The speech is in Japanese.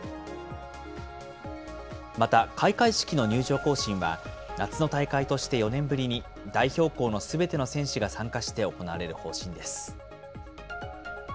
また開会式の入場行進は、夏の大会として４年ぶりに、代表校のすべての選手が参加して行われる方針です。